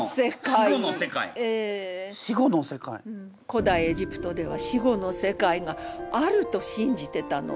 古代エジプトでは死後の世界があると信じてたの。